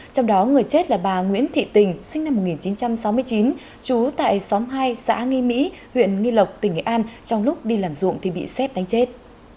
trong đó người chết là bà nguyễn thị tình sinh năm một nghìn chín trăm sáu mươi chín trú tại xóm hai xã nghi mỹ huyện nghi lộc tỉnh nghệ an trong lúc đi làm ruộng thì bị xét đánh chết